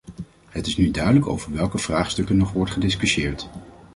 Het is nu duidelijk over welke vraagstukken nog wordt gediscussieerd.